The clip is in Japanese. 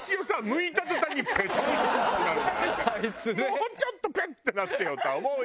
もうちょっとペッ！ってなってよとは思うよ。